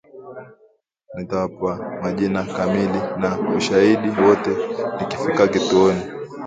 nitawapa majina kamili na ushahidi wote nikifika kituoni